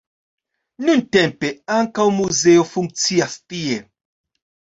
Nuntempe ankaŭ muzeo funkcias tie.